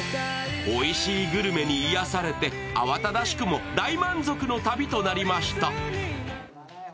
おいしいグルメに癒されて、慌ただしくも大満足の旅となりました。